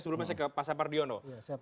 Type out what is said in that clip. sebelumnya saya ke pak sapardiono